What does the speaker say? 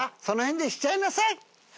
その辺でしちゃいなさい。